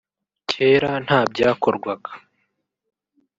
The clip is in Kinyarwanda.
kera nta byakorwaga